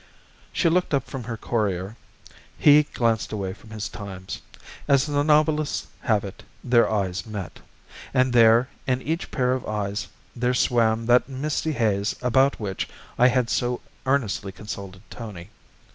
She looked up from her Courier. He glanced away from his Times. As the novelists have it, their eyes met. And there, in each pair of eyes there swam that misty haze about which I had so earnestly consulted Tony.